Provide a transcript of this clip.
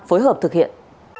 phối hợp thực hiện